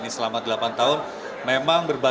selamat siang ya